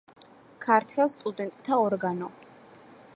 ქართველ სტუდენტთა ორგანო.